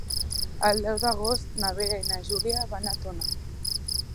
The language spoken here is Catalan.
El deu d'agost na Vera i na Júlia van a Tona.